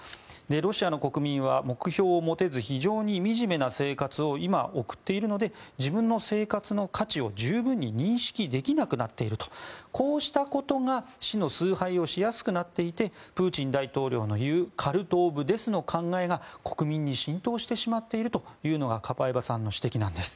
ロシアの国民は目標を持てず非常にみじめな生活を今、送っているので自分の生活の価値を十分に認識できなくなっているこうしたことが死の崇拝をしやすくなっていてプーチン大統領のいうカルト・オブ・デスの考えが国民に浸透してしまっているというのがカパエバさんの指摘なんです。